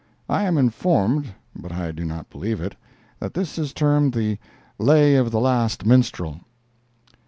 I am informed (but I do not believe it), that this is termed the "Lay of the Last Minstrel."